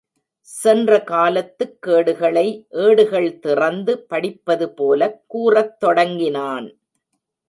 சென்ற காலத்துக் கேடுகளை ஏடுகள் திறந்து படிப்பதுபோலக் கூறத் தொடங்கினான்.